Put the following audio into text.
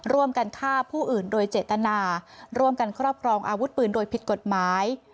ร่วมกันฆ่าผู้อื่นโดยเจตนาร่วมกันครอบครองอาวุธปืนโดยผิดกฎหมาย